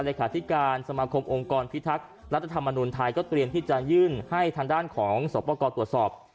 เลขาธิการสมาคมองค์กรพิทักษ์รัฐธรรมนุนไทยก็เตรียมที่จะยื่นให้ทางด้านของสวปกรตรวจสอบ